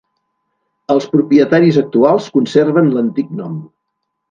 Els propietaris actuals conserven l'antic nom.